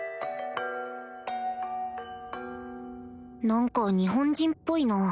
何か日本人っぽいな